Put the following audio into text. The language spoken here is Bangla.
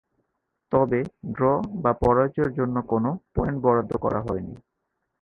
তবে ড্র বা পরাজয়ের জন্য কোন পয়েন্ট বরাদ্দ করা হয়নি।